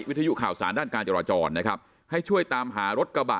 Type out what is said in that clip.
วิทยุข่าวสารด้านการจราจรนะครับให้ช่วยตามหารถกระบะ